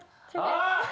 あっ！